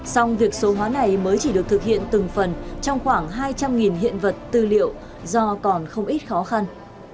song việc số hóa này mới chỉ được thực hiện từng phần trong khoảng hai trăm linh hiện vật tư liệu do còn không ít khó khăn